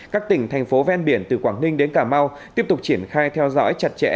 các tỉnh thành phố ven biển từ quảng ninh đến cà mau tiếp tục triển khai theo dõi chặt chẽ